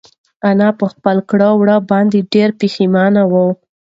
انا په خپلو کړو وړو باندې ډېره پښېمانه ده.